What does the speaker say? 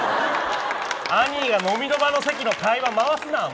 アニーが飲みの場の席の会話回すな。